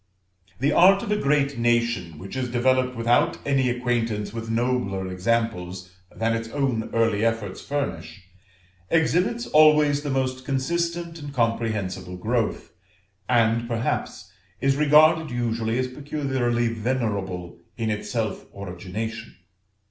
The art of a great nation, which is developed without any acquaintance with nobler examples than its own early efforts furnish, exhibits always the most consistent and comprehensible growth, and perhaps is regarded usually as peculiarly venerable in its self origination.